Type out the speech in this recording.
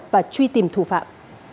và truy tìm thủ phạm